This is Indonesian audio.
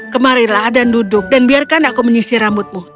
kemarilah dan duduk dan biarkan aku menyisir rambutmu